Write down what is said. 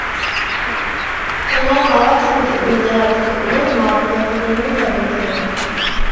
ئۇنىڭ ھاۋا قاتناش ئىلمى جەھەتتىكى ئۇلۇغ مۇۋەپپەقىيەتلىرىنى تەبرىكلىگەن.